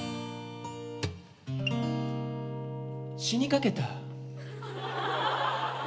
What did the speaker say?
「死にかけた」